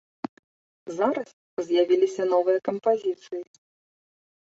Зараз з'явіліся новыя кампазіцыі.